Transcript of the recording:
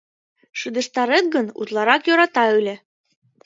— Шыдештарет гын, утларак йӧрата ыле.